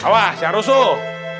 awah jangan rusuh